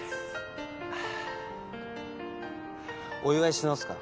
お祝いし直すか？